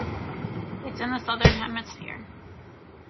It's in the southern hemisphere.